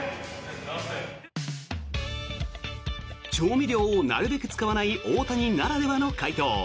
調味料をなるべく使わない大谷ならではの回答。